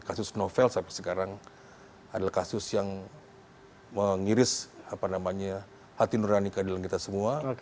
kasus novel sampai sekarang adalah kasus yang mengiris hati nurani keadilan kita semua